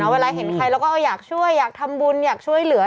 เวลาเห็นใครแล้วก็อยากช่วยอยากทำบุญอยากช่วยเหลือ